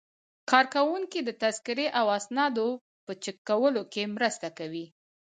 کارکوونکي د تذکرې او اسنادو په چک کولو کې مرسته کوي.